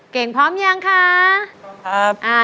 เก่งพร้อมยังคะ